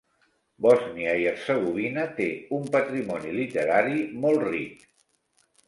Bòsnia i Hercegovina té un patrimoni literari molt ric.